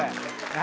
・何？